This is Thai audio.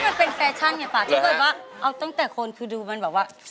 ไม่มันเป็นแฟชั่นนะปลาที่เว่ยวะเอาตั้งแต่คนคือดูมันบอกว่า